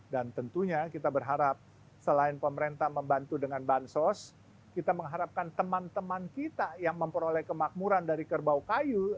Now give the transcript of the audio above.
dan tentunya kita berharap selain pemerintah membantu dengan bansos kita mengharapkan teman teman kita yang memperoleh kemakmuran dari kerbau kayu